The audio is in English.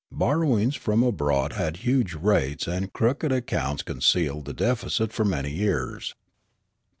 Borrowings from abroad at huge rates and crooked accounts concealed the deficit for man}' years.